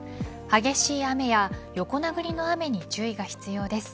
激しい雨や横殴りの雨に注意が必要です。